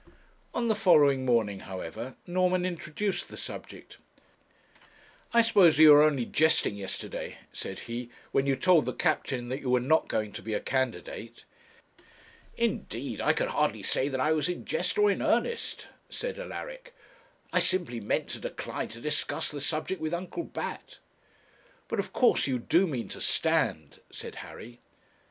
On the following morning, however, Norman introduced the subject. 'I suppose you were only jesting yesterday,' said he, 'when you told the captain that you were not going to be a candidate?' 'Indeed I can hardly say that I was in jest or in earnest,' said Alaric. 'I simply meant to decline to discuss the subject with Uncle Bat.' 'But of course you do mean to stand?' said Harry.